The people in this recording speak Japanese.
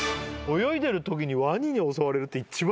泳いでるときにワニに襲われるって一番嫌じゃない？